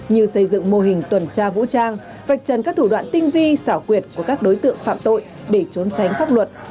như xây dựng mô hình tuần tra vũ trang vạch trần các thủ đoạn tinh vi xảo quyệt của các đối tượng phạm tội để trốn tránh pháp luật